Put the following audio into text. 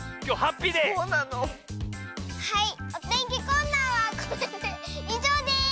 はいおてんきコーナーはこれでいじょうです。